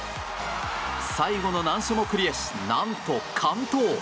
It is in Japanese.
最後の難所もクリアし何と完登。